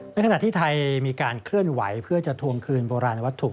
ในขณะที่ไทยมีการเคลื่อนไหวเพื่อจะทวงคืนโบราณวัตถุ